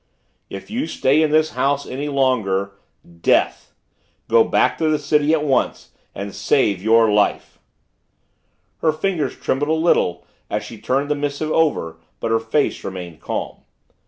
If you stay in this house any longer DEATH. Go back to the city at once and save your life. Her fingers trembled a little as she turned the missive over but her face remained calm.